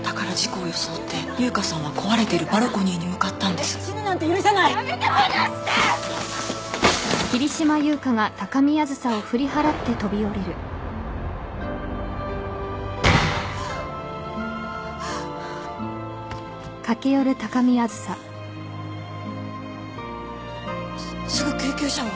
すすぐ救急車を